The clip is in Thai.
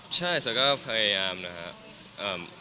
ใช่แต่ก็พยายามนะครับ